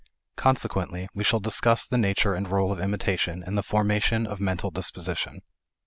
Consequently, we shall discuss the nature and role of imitation in the formation of mental disposition.